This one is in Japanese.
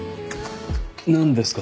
なんですか？